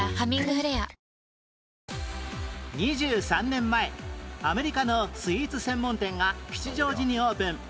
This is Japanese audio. ２３年前アメリカのスイーツ専門店が吉祥寺にオープン